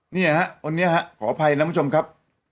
เนี่ยฮะวันนี้ฮะขออภัยนะคุณผู้ชมครับ